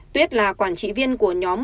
tuyết là quản trị viên của nhóm